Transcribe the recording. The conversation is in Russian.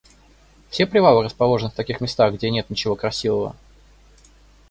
Все привалы расположены в таких местах, где нет ничего красивого?